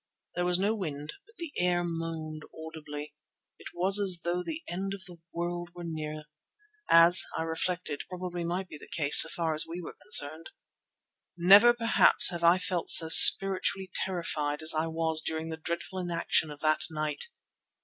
There was no wind, but the air moaned audibly. It was as though the end of the world were near as, I reflected, probably might be the case so far as we were concerned. Never, perhaps, have I felt so spiritually terrified as I was during the dreadful inaction of that night.